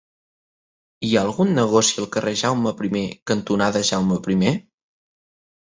Hi ha algun negoci al carrer Jaume I cantonada Jaume I?